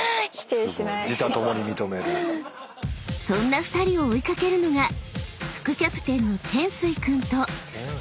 ［そんな２人を追い掛けるのが］